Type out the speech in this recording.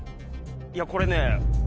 いやこれね。